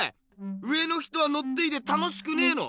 上の人はのっていて楽しくねえの？